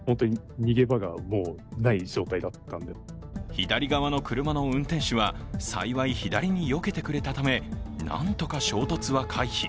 左側の車の運転手は幸い左によけてくれたためなんとか衝突は回避。